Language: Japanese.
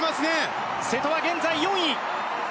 瀬戸は現在４位。